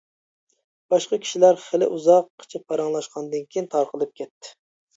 باشقا كىشىلەر خېلى ئۇزاققىچە پاراڭلاشقاندىن كىيىن تارقىلىپ كەتتى.